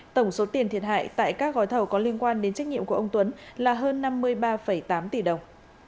tổng số tiền thiệt hại tại các gói thầu có liên quan đến trách nhiệm của ông tuấn là hơn năm mươi ba tám tỷ đồng